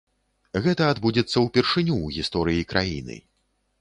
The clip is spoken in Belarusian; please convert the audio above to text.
Гэта адбудзецца ўпершыню ў гісторыі краіны.